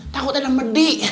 takut ada medi